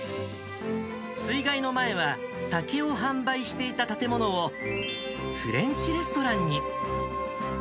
水害の前は酒を販売していた建物を、フレンチレストランに。